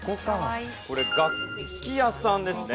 これ楽器屋さんですね。